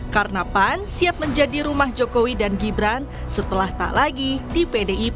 karena pan siap menjadi rumah jokowi dan gibran setelah tak lagi di pdip